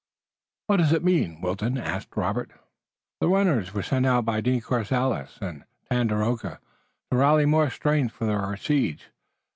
"What does it mean?" Wilton asked Robert. "The runners were sent out by De Courcelles and Tandakora to rally more strength for our siege.